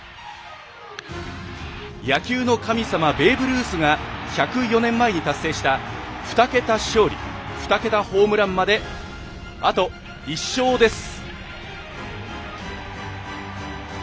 野球の神様、ベーブ・ルースが１０４年前に達成した２桁勝利、２桁ホームランまであと１勝です！